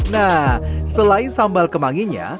nah selain sambal kemanginya